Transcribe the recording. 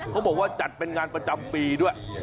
เขาบอกว่าจัดเป็นงานประจำปีด้วย